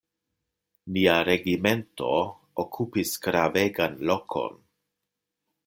Nia regimento okupis gravegan lokon.